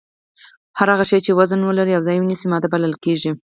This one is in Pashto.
هر هغه شی چې وزن ولري او ځای ونیسي ماده بلل کیږي